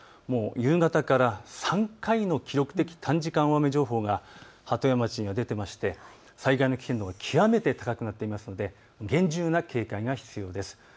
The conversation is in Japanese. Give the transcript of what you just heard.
夕方から３回の記録的短時間大雨情報が鳩山町には出ていて災害の危険度が極めて高くなっているので厳重な警戒が必要です。